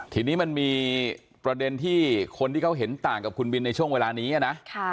ทีนี้มันมีประเด็นที่คนที่เขาเห็นต่างกับคุณบินในช่วงเวลานี้นะ